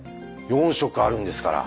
４色あるんですから。